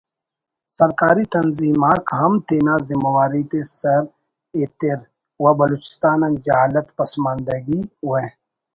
سرکاری تنظیم آک ہم تینا زمواری تے سر ایتر و بلوچستان آن جہالت پسماندگی و